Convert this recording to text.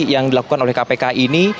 yang dilakukan oleh kpk ini